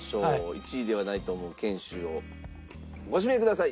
１位ではないと思う犬種をご指名ください！